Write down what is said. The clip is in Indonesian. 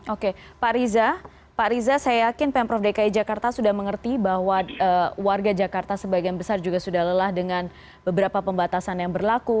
oke pak riza pak riza saya yakin pemprov dki jakarta sudah mengerti bahwa warga jakarta sebagian besar juga sudah lelah dengan beberapa pembatasan yang berlaku